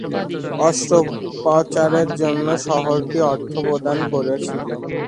অস্ত্রোপচারের জন্য শহরটি অর্থ প্রদান করেছিল।